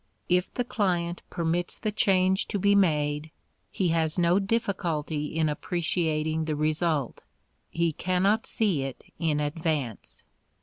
If the client permits the change to be made, he has no difficulty in appreciating the result: he cannot see it in advance.